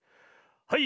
はい。